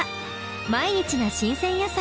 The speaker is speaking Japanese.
毎日が新鮮野菜。